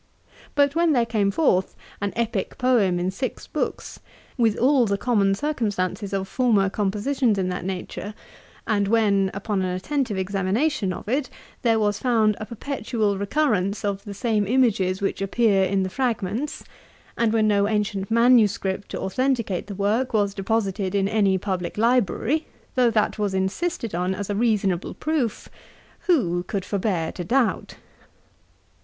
But when there came forth an Epick Poem in six books, with all the common circumstances of former compositions of that nature; and when, upon an attentive examination of it, there was found a perpetual recurrence of the same images which appear in the fragments; and when no ancient manuscript, to authenticate the work, was deposited in any publick library, though that was insisted on as a reasonable proof, who could forbear to doubt?